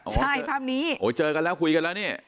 ใช่ภาพนี้โอ้เจอกันแล้วคุยกันแล้วนี่